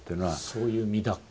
そういう身だから？